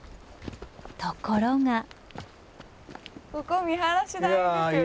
ところが。